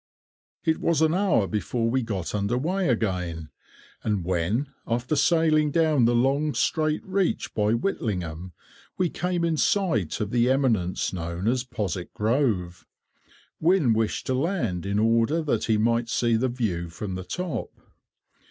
It was an hour before we got under way again, and when, after sailing down the long straight reach by Whitlingham, we came in sight of the eminence known as Postwick Grove, Wynne wished to land in order that he might see the view from the top.